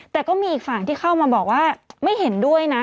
แต่ก็มีอีกฝั่งที่เข้ามาบอกว่าไม่เห็นด้วยนะ